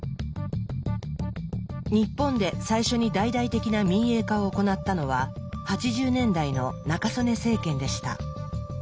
日本で最初に大々的な「民営化」を行ったのは８０年代の中曽根政権でした。